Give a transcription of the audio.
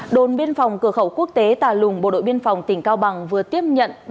đồn biên phòng cửa khẩu quốc tế tà lùng bộ đội biên phòng tỉnh cao bằng vừa tiếp nhận